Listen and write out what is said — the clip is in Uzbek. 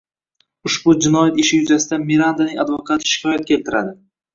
Ushbu jinoyat ishi yuzasidan Mirandaning advokati shikoyat keltiradi